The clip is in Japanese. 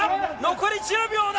残り１０秒だ。